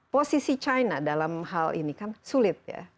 posisi china dalam hal ini kan sulit ya